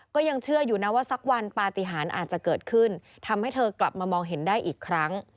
ก็ยังเชื่ออยู่นะว่าสักวันปฏิหารอาจจะเกิดขึ้นทำให้เธอกลับมามองเห็นได้อีกครั้ง